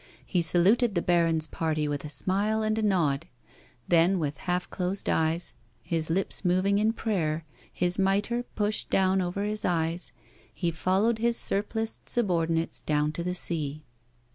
He saluted the baron's party with a smile and a nod, then, with half closed eyes, his lips moving in prayer, his mitre pushed down over his eyes, he followed his surpliced subordinates down to the sea.